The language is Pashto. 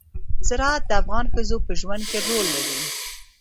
زراعت د افغان ښځو په ژوند کې رول لري.